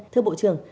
thưa bộ trưởng